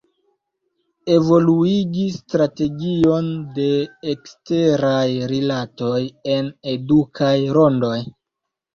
Evoluigi strategion de eksteraj rilatoj en edukaj rondoj.